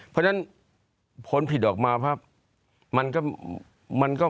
เพราะฉะนั้นผลผิดออกมา